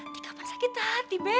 tika pengsakit hati be